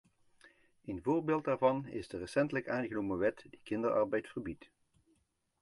Een voorbeeld daarvan is de recentelijk aangenomen wet die kinderarbeid verbiedt.